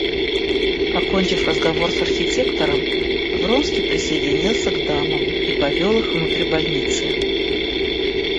Окончив разговор с архитектором, Вронский присоединился к дамам и повел их внутрь больницы.